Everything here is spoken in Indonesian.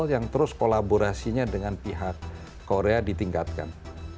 yang terus kolaborasinya dengan pihak korea ditingkatkan